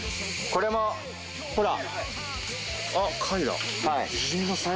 これもほら。